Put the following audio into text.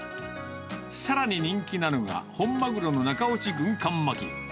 さらに人気なのが、本マグロの中落ち軍艦巻き。